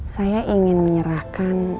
saya ingin menyerahkan